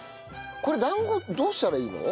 これ団子どうしたらいいの？